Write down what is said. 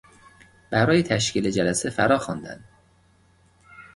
برای تشکیل جلسه فراخواندن